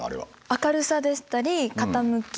明るさでしたり傾き